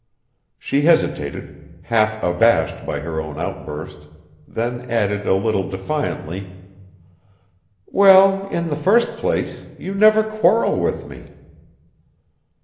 She hesitated, half abashed by her own outburst, then added a little defiantly: "Well, in the first place, you never quarrel with me."